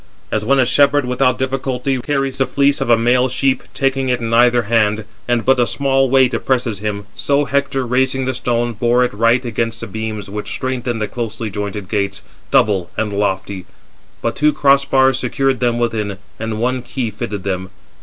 As when a shepherd without difficulty carries the fleece of a male sheep, taking it in either hand, and but a small weight oppresses him; so Hector, raising the stone, bore it right against the beams which strengthened the closely jointed gates, double and lofty; but two cross bars secured them within, and one key fitted them.